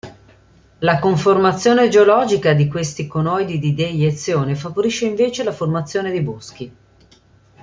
La conformazione geologica di questi conoidi di deiezione favorisce invece la formazione di boschi.